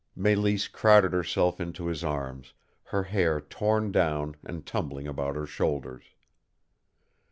Mélisse crowded herself into his arms, her hair torn down and tumbling about her shoulders.